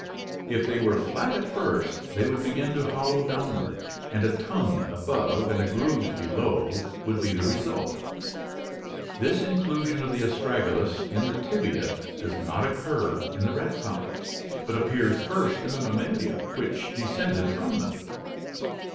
If they were flat at first they would begin to hollow downward, and a tongue above and a groove be low would be the result. ... This inclusion of the astragalus in the tibia does not occur in the reptiles, but appears first in the Mammalia, which descended from them.